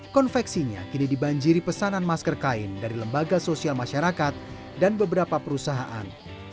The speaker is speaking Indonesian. konveksinya kini dibanjiri pesanan masker kain dari lembaga sosial masyarakat dan beberapa perusahaan